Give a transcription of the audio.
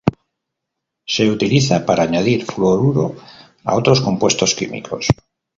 Se utiliza para añadir fluoruro a otros compuestos químicos.